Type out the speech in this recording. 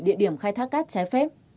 địa điểm khai thác cát trái phép